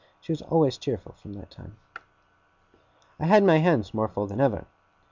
She was always cheerful from that time. I had my hands more full than ever, now.